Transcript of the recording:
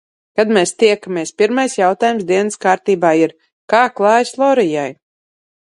Kad mēs tiekamies, pirmais jautājums dienas kārtībā ir: kā klājas Lorijai?